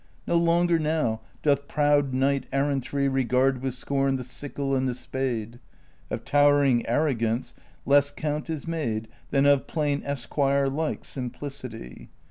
No longer now doth proud knight errantry Regard with scorn the sickle and the spade ; Of towering arrogance less count is made Than of plain esquire like simplicity.